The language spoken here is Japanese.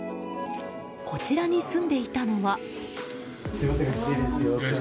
こちらに住んでいたのは。